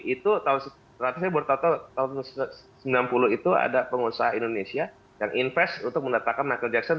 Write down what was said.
itu berarti saya berpikir tahun seribu sembilan ratus sembilan puluh itu ada pengusaha indonesia yang invest untuk mendatangkan michael jackson